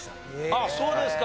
ああそうですか。